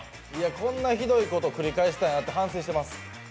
こんなひどいこと繰り返したこと反省してます。